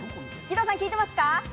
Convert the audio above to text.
義堂さん聞いてますか？